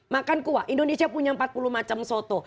makan kuah indonesia punya empat puluh macam soto